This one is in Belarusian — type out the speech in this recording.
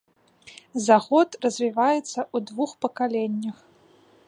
За год развіваецца ў двух пакаленнях.